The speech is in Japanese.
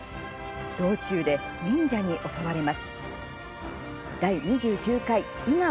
道中で忍者に襲われます。